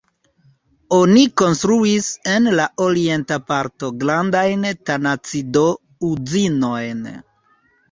Oni konstruis en la orienta parto grandajn tanacido-uzinojn.